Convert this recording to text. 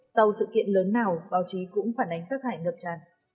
sau sự kiện lớn nào báo chí cũng phản ánh rác thải ngập tràn